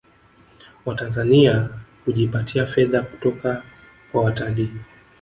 Watanzania hujipatia fedha kutoka kwa watalii